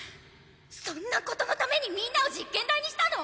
そんなことのためにみんなを実験台にしたの！？